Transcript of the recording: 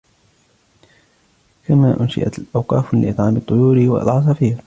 كما أنشئت أوقاف لإطعام الطيور والعصافير